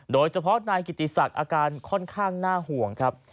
โดยเฉพาะนายกิติศักดิ์อาการค่อนข้างน่าห่วงครับ